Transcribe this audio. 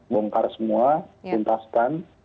bongkar semua tuntaskan